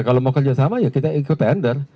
kalau mau kerjasama ya kita ikut tender